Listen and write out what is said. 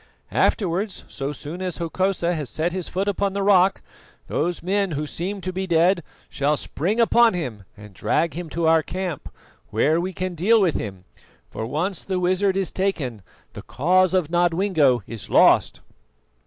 Afterwards, so soon as Hokosa has set his foot upon the rock, those men who seem to be dead shall spring upon him and drag him to our camp, where we can deal with him; for once the wizard is taken, the cause of Nodwengo is lost."